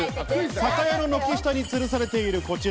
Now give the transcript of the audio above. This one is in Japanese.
酒屋の軒下に吊るされている、こちら。